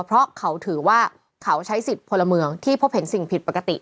เพราะเขาถือว่าเขาใช้สิทธิ์พลเมืองที่พบเห็นสิ่งผิดปกติ